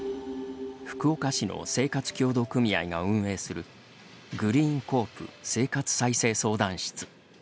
福岡市の生活協同組合が運営するグリーンコープ生活再生相談室。